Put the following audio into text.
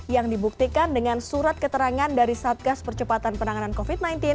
yang dibuktikan dengan surat keterangan dari satgas percepatan penanganan covid sembilan belas